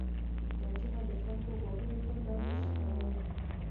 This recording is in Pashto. دا چیغه د خلکو غوږونو ته لاره نه شي کولای.